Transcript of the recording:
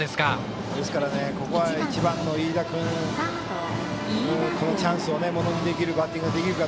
ですからここは１番の飯田君がこのチャンスをものにできるバッティングができるか。